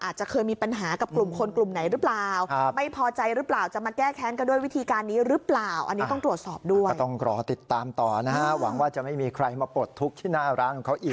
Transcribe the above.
อาจจะเคยมีปัญหากับกลุ่มคนกลุ่มไหนหรือเปล่า